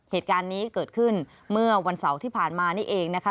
เหตุการณ์นี้เกิดขึ้นเมื่อวันเสาร์ที่ผ่านมานี่เองนะคะ